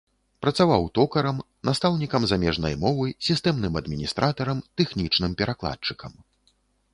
Працаваў токарам, настаўнікам замежнай мовы, сістэмным адміністратарам, тэхнічным перакладчыкам.